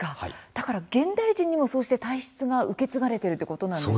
だから現代人にも、そうして体質が受け継がれているということなんですね。